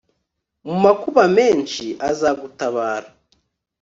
mu makuba menshi, azagutabara